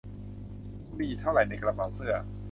คุณมีอยู่เท่าไรในกระเป๋าเสื้อ